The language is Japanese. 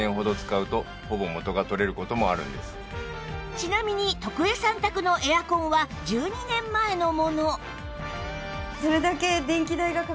ちなみに徳江さん宅のエアコンは１２年前のもの